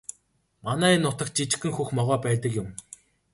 Манай энэ нутагт жижигхэн хөх могой байдаг юм.